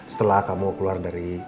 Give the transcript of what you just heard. setelah kamu keluar dari